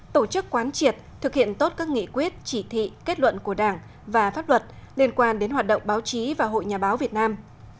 tổ chức quán triệt thực hiện tốt các nghị quyết chỉ thị kết luận của đảng và pháp luật liên quan đến hoạt động báo chí và hội nhà báo việt nam